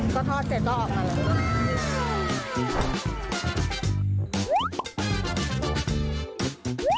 ก็ทอด๗รอบมาเลย